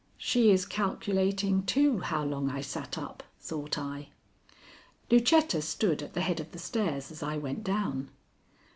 She is calculating, too, how long I sat up, thought I. Lucetta stood at the head of the stairs as I went down.